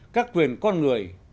các quyền con người